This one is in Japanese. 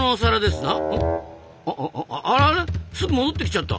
すぐ戻ってきちゃった。